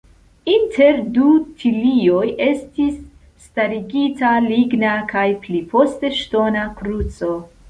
Inter du tilioj estis starigita ligna kaj pli poste ŝtona kruco.